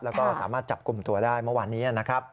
แล้วก็สามารถจับกลุ่มตัวได้เมื่อวานนี้นะครับ